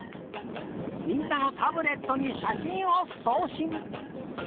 みんなのタブレットにしゃしんをそうしん！